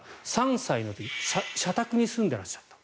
３歳の時社宅に住んでらっしゃった。